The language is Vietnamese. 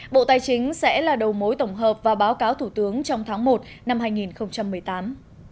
bộ tài chính sẽ là đầu mối tổng hợp và báo cáo thủ tướng trong tháng một năm hai nghìn một mươi tám